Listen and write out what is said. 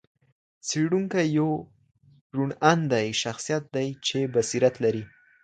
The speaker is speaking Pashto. څېړونکی یو روڼ اندئ شخصیت دئ چي بصیرت لري.